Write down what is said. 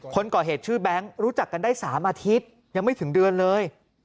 คนก่อเหตุชื่อแบงค์รู้จักกันได้๓อาทิตย์ยังไม่ถึงเดือนเลย